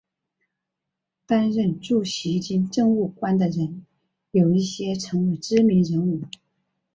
担任驻锡金政务官的人有一些成为知名人物。